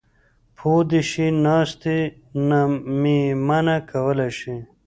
پو دې شي ناستې نه مې منع کولی شي.